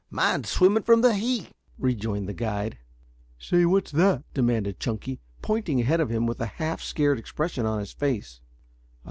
Mine's swimming from the heat," rejoined the guide. "Say, what's that?" demanded Chunky, pointing ahead of him, with a half scared expression on his face.